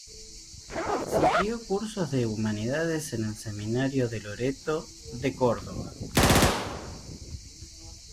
Siguió cursos de Humanidades en el Seminario de Loreto, de Córdoba.